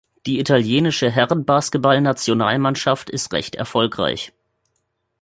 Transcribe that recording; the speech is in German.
Die Italienische Herren-Basketballnationalmannschaft ist recht erfolgreich.